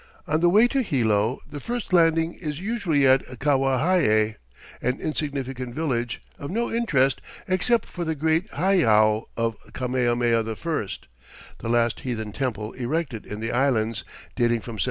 On the way to Hilo the first landing is usually at Kawaihae, an insignificant village, of no interest except for the great heiau of Kamehameha I, the last heathen temple erected in the Islands, dating from 1791.